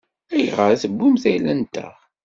Ayɣer i tewwimt ayla-nteɣ?